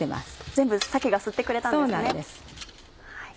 全部鮭が吸ってくれたんですね。